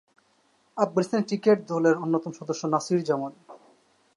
Afghanistan cricket দলের অন্যতম সদস্য নাসির জামাল।